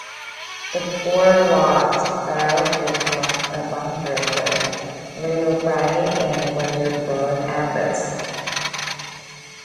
The Poor Lot barrow group forms a boundary with Littlebredy and Winterbourne Abbas.